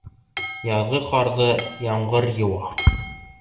Яҙғы ҡарҙы ямғыр йыуа.